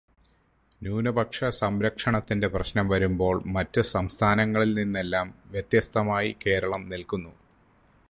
ന്യൂനപക്ഷ സംരക്ഷണത്തിന്റെ പ്രശ്നം വരുമ്പോൾ മറ്റ് സംസ്ഥാനങ്ങളിൽനിന്നെല്ലാം വ്യത്യസ്തമായി കേരളം നിൽക്കുന്നു.